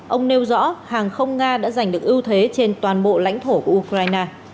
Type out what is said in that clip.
ông nêu rõ hàng không nga đã giành được ưu thế trên toàn bộ lãnh thổ của ukraine